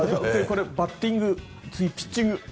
これバッティング次、ピッチング。